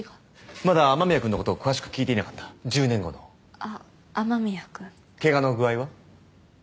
まだ雨宮君のことを詳しく聞いていなかった１０年後のあ雨宮君ケガの具合は？